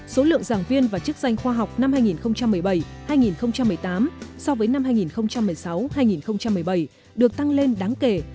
số lượng giảng viên và chức danh khoa học năm hai nghìn một mươi bảy hai nghìn một mươi tám so với năm hai nghìn một mươi sáu hai nghìn một mươi bảy được tăng lên đáng kể